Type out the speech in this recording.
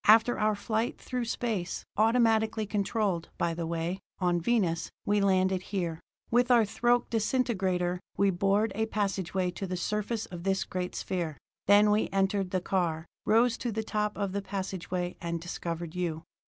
"After our flight through space, automatically controlled, by the way, on Venus, we landed here. With our thoque disintegrator, we bored a passageway to the surface of this great sphere. Then we entered the car, rose to the top of the passageway, and discovered you.